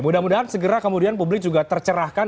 mudah mudahan segera kemudian publik juga tercerahkan